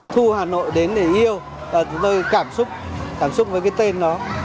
thu hà nội đến để yêu tôi cảm xúc cảm xúc với cái tên đó